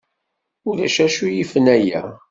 Ulac acu yifen aya.